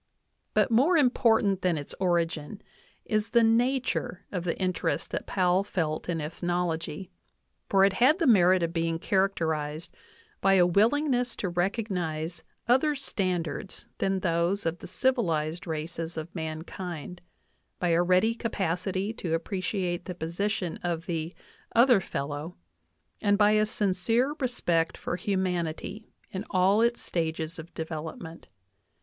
But more important than its origin is the nature of the interest that Powell felt in ethnology; for it had the merit of being characterized by a willingness to recognize other standards than those of the civilized races of mankind, by a ready capacity to appreciate the position of the "other fellow," and by a sincere respect for humanity in all its stages of development.